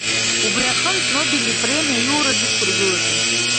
Убри аҟынтә Нобель ипремиа аиуразы иқәыргылатәын.